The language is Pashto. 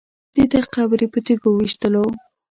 دده قبر یې په تیږو ویشتلو.